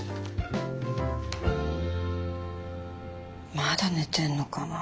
まだ寝てんのかなぁ。